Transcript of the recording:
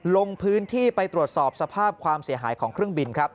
ลงพื้นที่ไปตรวจสอบสภาพความเสียหายของเครื่องบินครับ